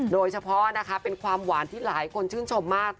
โดยเฉพาะนะคะเป็นความหวานที่หลายคนชื่นชมมาก